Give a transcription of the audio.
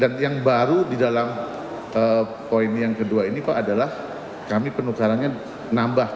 dan yang baru di dalam poin yang kedua ini pak adalah kami penukarannya nambah